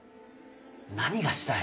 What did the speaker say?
何がしたい？